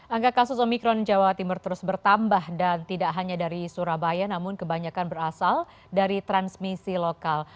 angka kasus omikron di jawa timur terus bertambah dan tidak hanya dari surabaya namun kebanyakan berasal dari transmisi lokal